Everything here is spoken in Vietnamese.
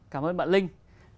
cảm ơn bạn linh